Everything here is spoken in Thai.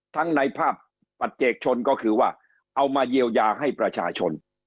ในภาพปัจเจกชนก็คือว่าเอามาเยียวยาให้ประชาชน